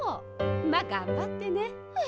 まあがんばってね。え。